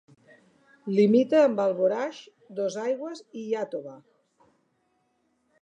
Limita amb Alboraig, Dosaigües i Iàtova.